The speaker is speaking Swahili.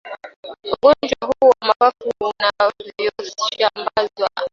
ugonjwa huu wa mapafu unavyosambazwa